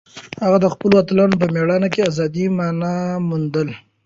هغه د خپلو اتلانو په مېړانه کې د ازادۍ مانا موندله.